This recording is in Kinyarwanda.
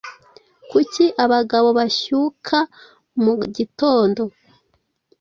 kuki abagabo bashyuka mu gitondo